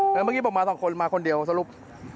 แล้วเมื่อกี้ผมมา๒คนมาคนเดียวสรุป